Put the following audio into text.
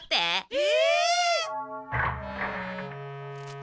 え！